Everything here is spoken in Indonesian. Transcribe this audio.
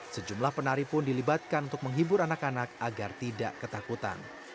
sejumlah penari pun dilibatkan untuk menghibur anak anak agar tidak ketakutan